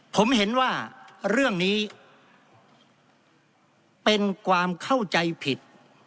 ผมเห็นว่าเรื่องนี้เป็นความเข้าใจผิด